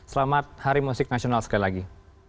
selamat hari musik nasional sekali lagi